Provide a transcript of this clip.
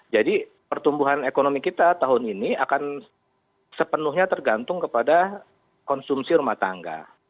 jadi pertumbuhan ekonomi kita tahun ini akan sepenuhnya tergantung kepada konsumsi rumah tangga